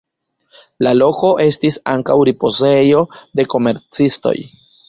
La loko estis ankaŭ ripozejo de komercistoj.